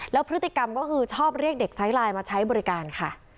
แล้วพฤติกรรมก็คือชอบเรียกเด็กไซส์ไลน์มาใช้บริการค่ะ